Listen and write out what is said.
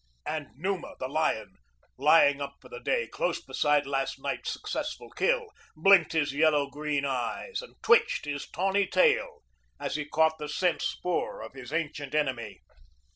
And Numa, the lion, lying up for the day close beside last night's successful kill, blinked his yellow green eyes and twitched his tawny tail as he caught the scent spoor of his ancient enemy.